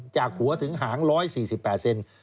จากหัวถึงหาง๑๔๘เซน